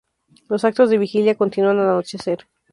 Los actos de la vigilia, continúan al anochecer.